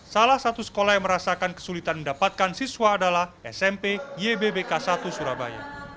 salah satu sekolah yang merasakan kesulitan mendapatkan siswa adalah smp ybbk satu surabaya